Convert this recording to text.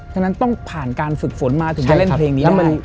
ฉะนั้นต้องผ่านการฝึกฝนมาถึงจะเล่นเพลงนี้แล้วมัน